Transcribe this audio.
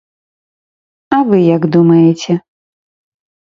А вы як думаеце?